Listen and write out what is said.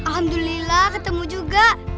alhamdulillah ketemu juga